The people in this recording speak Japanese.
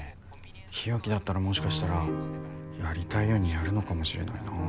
日置だったらもしかしたらやりたいようにやるのかもしれないな。